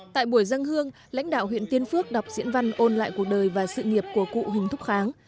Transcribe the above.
tại buổi dân hương lãnh đạo huyện tiên phước đọc diễn văn ôn lại cuộc đời và sự nghiệp của cụ huỳnh thúc kháng